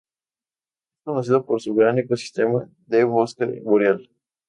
Es conocido por su gran ecosistema de bosque boreal.